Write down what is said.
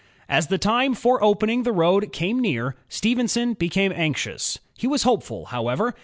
• As the time for opening the road came near, Stephenson became anxious. He was hopeful, however.